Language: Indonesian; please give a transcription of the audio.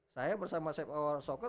bahkan saya bersama sep power soccer